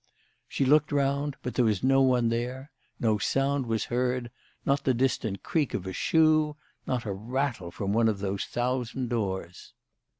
She looked round, but there was no one there ; no sound was heard ; not the distant creak of a shoe, not a rattle from one of those thousand doors.